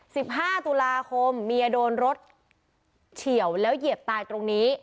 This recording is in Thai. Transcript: สิบห้าตุลาคมเมียโดนรถเฉียวแล้วเหยียบตายตรงนี้